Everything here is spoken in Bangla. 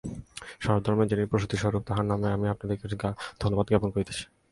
সর্বধর্মের যিনি প্রসূতি-স্বরূপ, তাঁহার নামে আমি আপনাদিগকে ধন্যবাদ জ্ঞাপন করিতেছি।